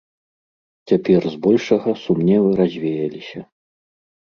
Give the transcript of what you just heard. Цяпер збольшага сумневы развеяліся.